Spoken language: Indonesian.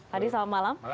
hadi selamat malam